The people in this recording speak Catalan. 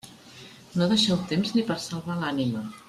No deixeu temps ni per a salvar l'ànima.